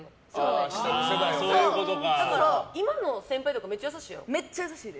今の先輩とかめっちゃ優しいですよ。